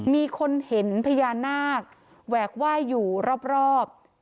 มีคนเห็นพญานาคแหวกไหว้อยู่รอบ